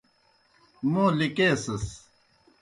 موں لِکیسِس۔